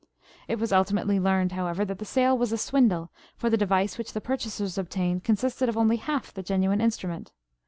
It was ultimately learned, however, that the sale was a swindle, for the device which the purchasers obtained consisted of only half the genuine instrument.